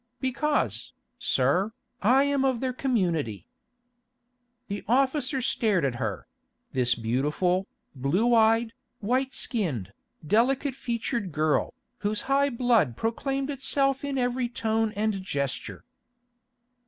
"Because, sir, I am of their community." The officer stared at her—this beautiful, blue eyed, white skinned, delicate featured girl, whose high blood proclaimed itself in every tone and gesture.